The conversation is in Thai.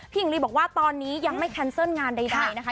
หญิงลีบอกว่าตอนนี้ยังไม่แคนเซิลงานใดนะคะ